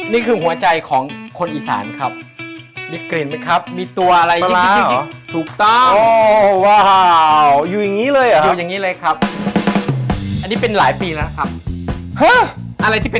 นี่คือหัวใจของคนอีสานครับมีกลิ่นไหมครับมีตัวอะไรไหม